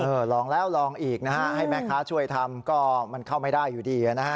ลองแล้วลองอีกนะฮะให้แม่ค้าช่วยทำก็มันเข้าไม่ได้อยู่ดีนะฮะ